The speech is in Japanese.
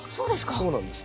そうなんです。